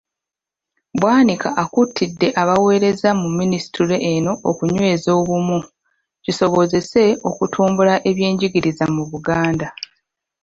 Bwanika akuutidde abaweereza mu Minisitule eno okunyweza obumu, kisobozese okutumbula ebyenjigiriza mu Buganda.